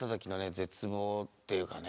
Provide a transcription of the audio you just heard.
絶望っていうかね。